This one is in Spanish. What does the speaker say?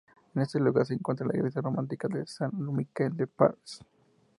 En este lugar se encuentra la iglesia románica de Sant Miquel de Prats.